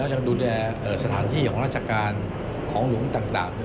ยังดูแลสถานที่ของราชการของหลวงต่าง